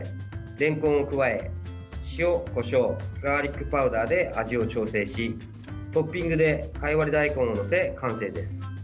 れんこんを加え、塩、こしょうガーリックパウダーで味を調整しトッピングでかいわれ大根を載せ、完成です。